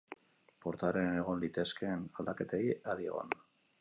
Portaeran egon litezkeen aldaketei adi egon.